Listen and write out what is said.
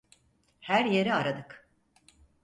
Her yeri aradık.